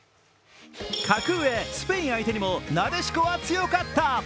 格上・スペイン相手にもなでしこは強かった。